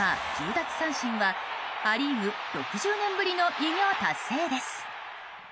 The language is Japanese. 奪三振はア・リーグ６０年ぶりの偉業達成です。